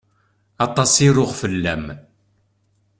Aṭas i ruɣ fell-am.